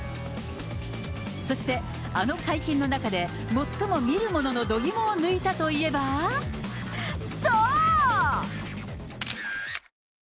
そして、あの会見の中で最も見る者の度肝を抜いたといえば、そう！